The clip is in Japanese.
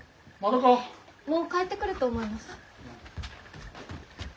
もう帰ってくると思います。